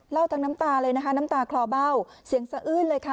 ทั้งน้ำตาเลยนะคะน้ำตาคลอเบ้าเสียงสะอื้นเลยค่ะ